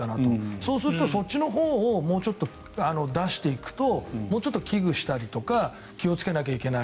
そうするとそっちのほうをもうちょっと出していくともうちょっと危惧したりとか気をつけないといけない。